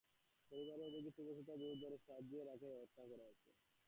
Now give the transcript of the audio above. পরিবারের অভিযোগ, পূর্বশত্রুতার জের ধরে চোর সাজিয়ে তাঁকে হত্যা করা হয়েছে।